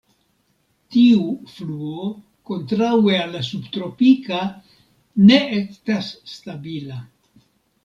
Tiu fluo, kontraŭe al la subtropika, ne estas stabila.